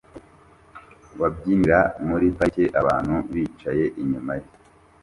wabyinira muri parike abantu bicaye inyuma ye